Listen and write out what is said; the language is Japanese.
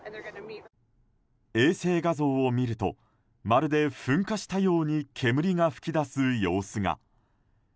衛星画像を見るとまるで噴火したように煙が噴き出す様子が。